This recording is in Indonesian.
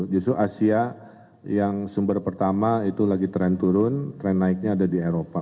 justru asia yang sumber pertama itu lagi tren turun tren naiknya ada di eropa